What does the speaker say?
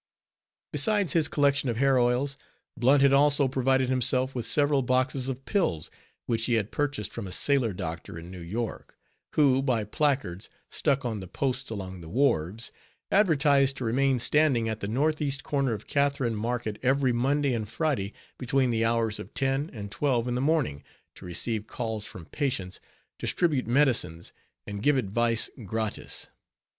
Besides his collection of hair oils, Blunt had also provided himself with several boxes of pills, which he had purchased from a sailor doctor in New York, who by placards stuck on the posts along the wharves, advertised to remain standing at the northeast corner of Catharine Market, every Monday and Friday, between the hours of ten and twelve in the morning, to receive calls from patients, distribute medicines, and give advice gratis.